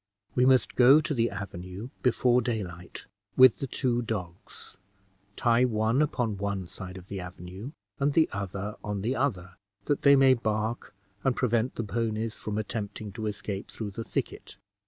We must go to the avenue before daylight, with the two dogs, tie one upon one side of the avenue and the other on the other, that they may bark and prevent the ponies from attempting to escape through the thicket.